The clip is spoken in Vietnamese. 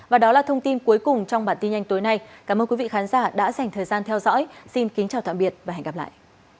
và đó là thông tin cuối cùng trong bản tin nhanh tối nay cảm ơn quý vị khán giả đã dành thời gian theo dõi xin kính chào tạm biệt và hẹn gặp lại